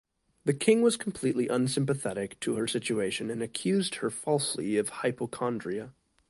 The king was completely unsympathetic to her situation and accused her falsely of hypochondria.